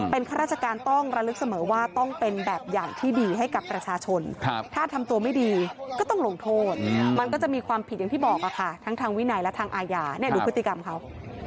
เป็นข้าราชการต้องระลึกเสมอว่าต้องเป็นแบบอย่างที่ดีให้กับประชาชนถ้าทำตัวไม่ดีก็ต้องลงโทษมันก็จะมีความผิดอย่างที่บอกค่ะทั้งทางวินัยและทางอาญาเนี่ยดูพฤติกรรมเขา